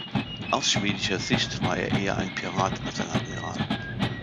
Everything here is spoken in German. Aus schwedischer Sicht war er eher ein Pirat als ein Admiral.